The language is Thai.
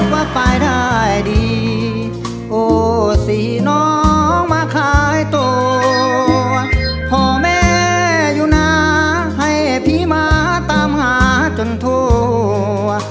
ไว้แต่อยู่นานให้พี่มาตามหาจนทั่ว